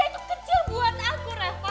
itu kecil buat aku reva